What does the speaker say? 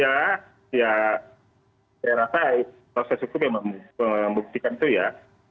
ya saya rasa proses hukum memang membuktikan itu ya